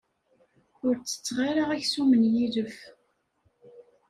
Ur ttetteɣ ara aksum n yilef.